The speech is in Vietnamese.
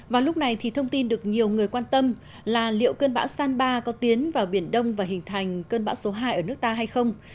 và lúc này thì thông tin được nhiều người quan tâm là liệu cơn bão san ba có tiến vào biển đông và hình thành cơn bão số hai ở nước ta hay không